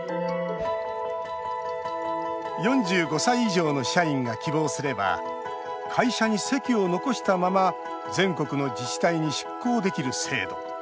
４５歳以上の社員が希望すれば会社に籍を残したまま全国の自治体に出向できる制度。